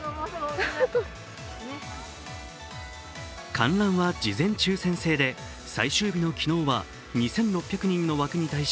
観覧は事前抽選制で、最終日の昨日は２６００人の枠に対し